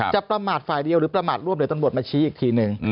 ประมาทฝ่ายเดียวหรือประมาทร่วมเดี๋ยวตำรวจมาชี้อีกทีหนึ่ง